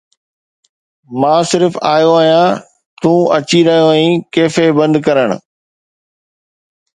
مان صرف آيو آهيان، تون اچي رهيو آهين ڪيفي بند ڪرڻ.